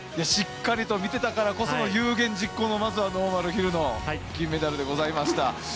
しっかりと見てたからこその有言実行のノーマルヒルの金メダルでございました。